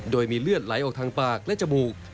โดยมีเลือดไหลออกทางปากและจมูก